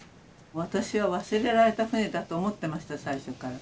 私は忘れられた船だと思ってました最初から。